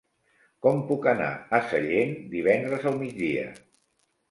Com puc anar a Sellent divendres al migdia?